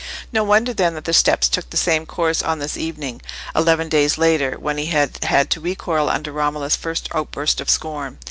No wonder, then, that the steps took the same course on this evening, eleven days later, when he had had to recoil under Romola's first outburst of scorn.